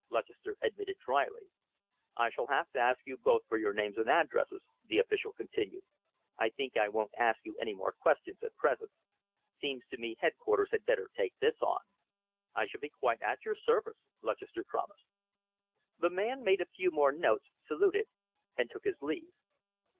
Lutchester admitted drily. "I shall have to ask you both for your names and addresses," the official continued. "I think I won't ask you any more questions at present. Seems to me headquarters had better take this on." "I shall be quite at your service," Lutchester promised. The man made a few more notes, saluted, and took his leave.